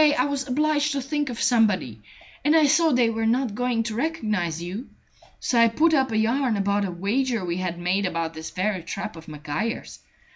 I was obliged to think of somebody, and I saw they were not going to recognize you. So I put up a yarn about a wager we had made about this very trap of Maguire's.